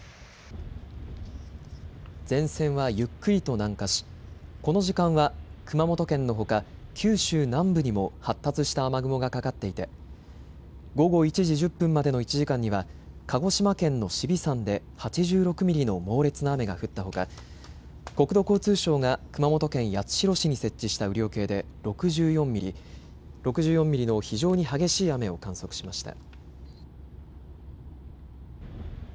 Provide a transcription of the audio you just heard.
前線はゆっくりと南下しこの時間は熊本県のほか九州南部にも発達した雨雲がかかっていて午後１時１０分までの１時間には鹿児島県の紫尾山で８６ミリの猛烈な雨が降ったほか、国土交通省が熊本県八代市に設置した雨量計で６４ミリの非常に激しい雨を観測しました。